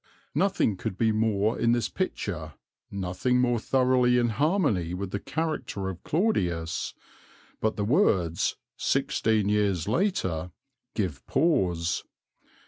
'" Nothing could be more in this picture, nothing more thoroughly in harmony with the character of Claudius; but the words "sixteen years later" give pause.